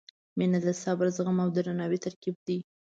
• مینه د صبر، زغم او درناوي ترکیب دی.